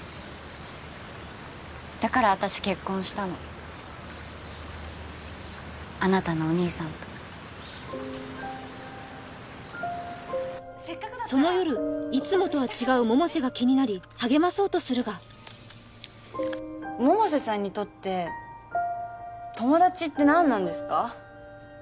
だから私結婚したのあなたのお兄さんとその夜いつもとは違う百瀬が気になり励まそうとするが百瀬さんにとって友達って何なんですか？